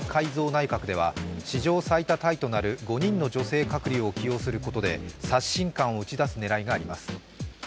内閣では、史上最多タイとなる５人の女性閣僚を起用することで、刷新感を打ち出す狙いがあります。